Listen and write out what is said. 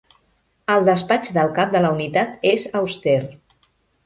El despatx del cap de la unitat és auster.